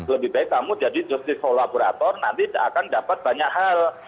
lebih baik kamu jadi justice kolaborator nanti akan dapat banyak hal